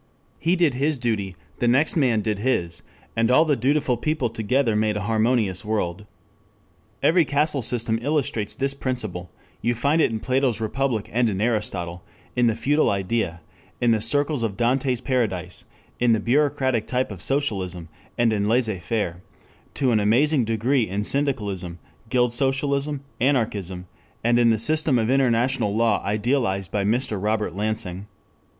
He did his duty, the next man did his, and all the dutiful people together made a harmonious world. Every caste system illustrates this principle; you find it in Plato's Republic and in Aristotle, in the feudal ideal, in the circles of Dante's Paradise, in the bureaucratic type of socialism, and in laissez faire, to an amazing degree in syndicalism, guild socialism, anarchism, and in the system of international law idealized by Mr. Robert Lansing.